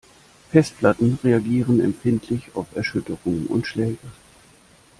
Festplatten reagieren empfindlich auf Erschütterungen und Schläge.